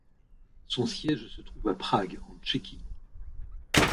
Son siège se trouve à Prague, en Tchéquie.